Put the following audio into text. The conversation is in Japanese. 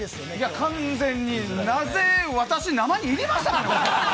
完全に、なぜ、私、生に入れましたかね。